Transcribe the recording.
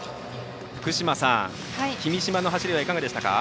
福島さん、君嶋の走りはいかがでしたか？